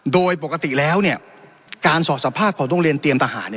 โดยปกติแล้วการสอบสภาพของโรงเรียนเตรียมทหาร